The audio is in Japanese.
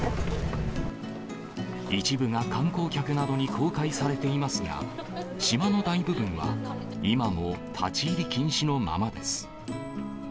一部が観光客などに公開されていますが、島の大部分は今も立ち入り禁止のままです。